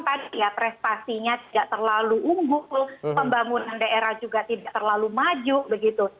tadi ya prestasinya tidak terlalu unggul pembangunan daerah juga tidak terlalu maju begitu